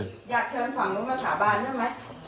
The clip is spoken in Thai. อยากเชิญฝั่งลุงมาสาบานด้วยไหม